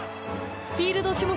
フィールド種目